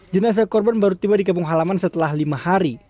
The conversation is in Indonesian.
jenazah korban baru tiba di kampung halaman setelah lima hari